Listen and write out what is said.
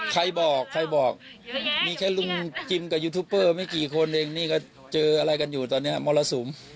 ใครบอกใครบอกมีแค่ลุงจิมกับยูทูปเปอร์ไม่กี่คนเองนี่ก็เจออะไรกันอยู่ตอนนี้มรสุม